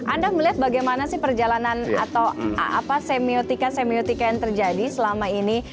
anda melihat bagaimana sih perjalanan atau semiotika semiotika yang terjadi selama ini